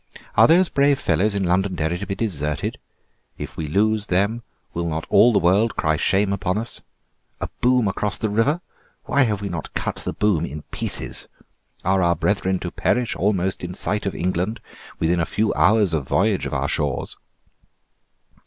"Are those brave fellows in Londonderry to be deserted? If we lose them will not all the world cry shame upon us? A boom across the river! Why have we not cut the boom in pieces? Are our brethren to perish almost in sight of England, within a few hours' voyage of our shores?"